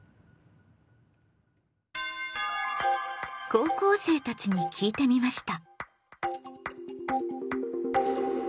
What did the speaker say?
高校生たちに聞いてみました。